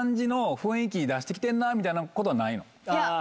みたいなことはないの？